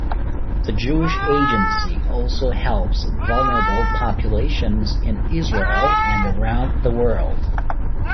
The Jewish Agency also helps vulnerable populations in Israel and around the world.